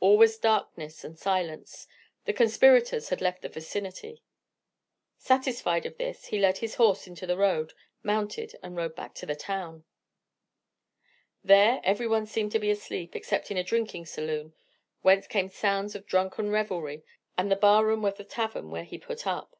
All was darkness and silence; the conspirators had left the vicinity. Satisfied of this, he led his horse into the road, mounted and rode back to the town. There every one seemed to be asleep except in a drinking saloon, whence came sounds of drunken revelry, and the bar room of the tavern where he put up.